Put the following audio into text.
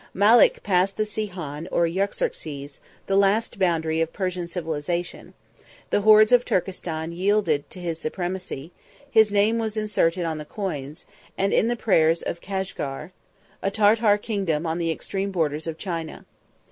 Malek passed the Sihon or Jaxartes, the last boundary of Persian civilization: the hordes of Turkestan yielded to his supremacy: his name was inserted on the coins, and in the prayers of Cashgar, a Tartar kingdom on the extreme borders of China.